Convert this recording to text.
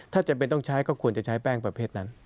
ถ้าจำเป็นต้องใช้ก็ควรจะใช้แป้งประเภทนั้น